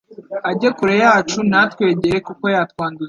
Age kure yacu ntatwegere kuko yatwanduza